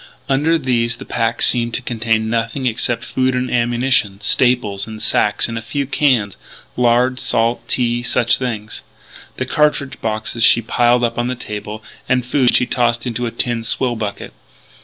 Under these the pack seemed to contain nothing except food and ammunition; staples in sacks and a few cans lard, salt, tea such things. The cartridge boxes she piled up on the table; the food she tossed into a tin swill bucket.